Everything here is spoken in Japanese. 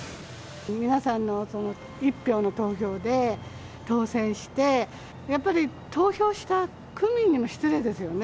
皆さんの一票の投票で当選して、やっぱり投票した区民にも失礼ですよね。